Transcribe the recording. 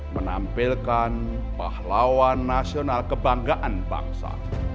menampilkan pahlawan nasional kebanggaan bangsa